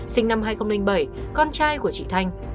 sinh năm hai nghìn bảy con trai của chị thanh